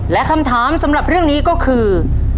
และคำถามสำหรับเรื่องนี้ก็คือ